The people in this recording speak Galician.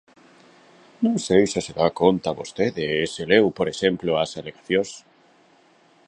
Non sei se se dá conta vostede, e se leu, por exemplo, as alegacións.